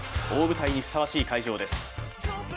大舞台にふさわしい会場です。